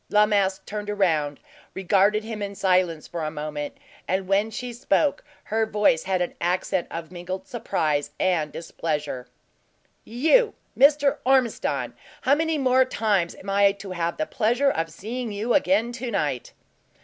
La Masque turned round, regarded him in silence for a moment, and when she spoke, her voice had an accent of mingled surprise and displeasure. "You, Mr. Ormiston! How many more times am I to have the pleasure of seeing you again to night?"